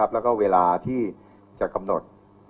แล้วก็เวลาที่จะกำหนด